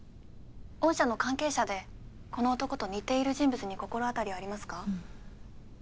御社の関係者でこの男と似ている人物に心当たりありますか？